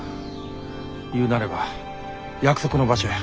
言うなれば約束の場所や。